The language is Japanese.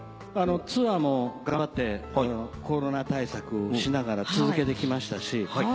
ツアーも頑張ってコロナ対策しながら続けてきましたし。